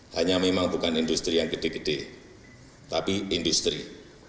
hanya memang bukan industri yang gede gede tapi industri